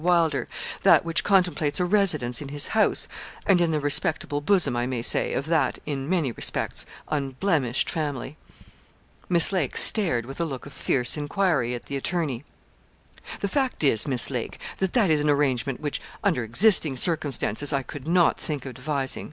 Wylder, that which contemplates a residence in his house, and in the respectable bosom, I may say, of that, in many respects, unblemished family.' Miss Lake stared with a look of fierce enquiry at the attorney. 'The fact is, Miss Lake, that that is an arrangement which under existing circumstances I could not think of advising.